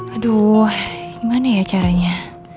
aduh gimana ya caranya